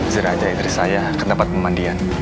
zirah jahit dari saya ke tempat pemandian